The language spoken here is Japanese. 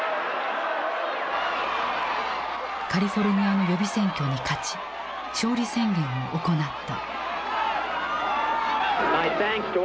カリフォルニアの予備選挙に勝ち勝利宣言を行った。